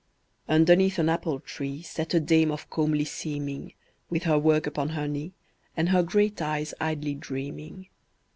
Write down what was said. Underneath an apple tree Sat a dame of comely seeming, With her work upon her knee, And her great eyes idly dreaming.